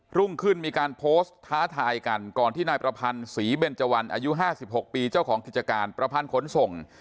รุ่งขึ้นมีการโพสต์ท้าทายกันก่อนที่นายประพันธ์ศรีเบนเจวันอายุ๕๖ปีเจ้าของกิจการประพันธ์ขนส่ง